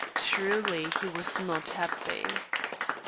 Truly he was not happy.